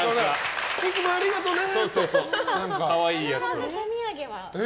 いつもありがとね！